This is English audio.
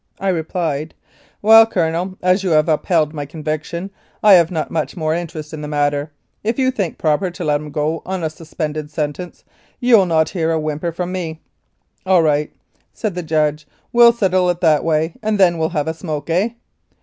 I replied, "Well, Colonel, as you have upheld my conviction, I have not much more interest in the matter. If you think proper to let him go on suspended sentence you will not hear a whimper from me." "All right," said the judge, "we'll settle it that way, and then we'll have a smoke, eh